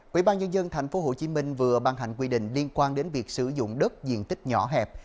quỹ ban nhân dân tp hcm vừa ban hành quy định liên quan đến việc sử dụng đất diện tích nhỏ hẹp